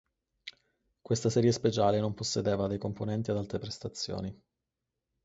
Questa serie speciale non possedeva dei componenti ad alte prestazioni.